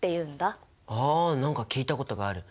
あ何か聞いたことがある！